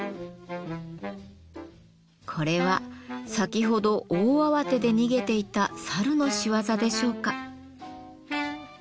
これは先ほど大慌てで逃げていたサルの仕業でしょうか。